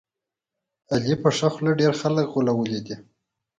علي په ښه خوله ډېر خلک غولولي دي.